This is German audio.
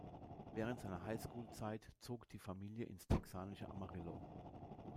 Während seiner High-School-Zeit zog die Familie ins texanische Amarillo.